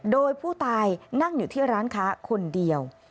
โดยผู้ตายนั่งอยู่ที่ร้านค้าคนเดียว